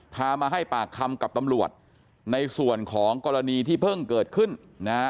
พามาให้ปากคำกับตำรวจในส่วนของกรณีที่เพิ่งเกิดขึ้นนะฮะ